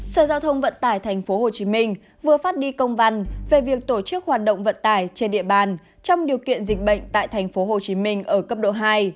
sở giao thông vận tải tp hcm vừa phát đi công văn về việc tổ chức hoạt động vận tải trên địa bàn trong điều kiện dịch bệnh tại tp hcm ở cấp độ hai